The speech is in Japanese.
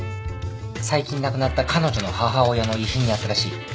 最近亡くなった彼女の母親の遺品にあったらしい。